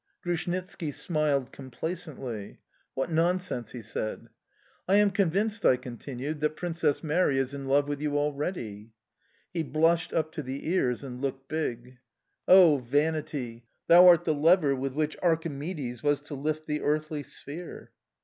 Grushnitski smiled complacently. "What nonsense!" he said. "I am convinced," I continued, "that Princess Mary is in love with you already." He blushed up to the ears and looked big. Oh, vanity! Thou art the lever with which Archimedes was to lift the earthly sphere!...